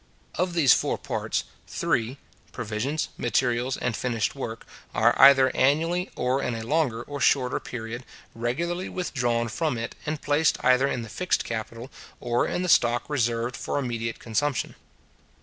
Of these four parts, three—provisions, materials, and finished work, are either annually or in a longer or shorter period, regularly withdrawn from it, and placed either in the fixed capital, or in the stock reserved for immediate consumption.